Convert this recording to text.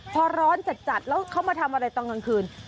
พอร้อนจัดแล้วเขามาทำอะไรตอนกลางคืน